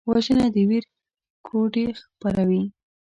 وژنه د ویر کوډې خپروي